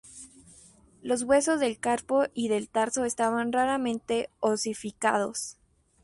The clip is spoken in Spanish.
Los huesos del carpo y del tarso estaban raramente osificados.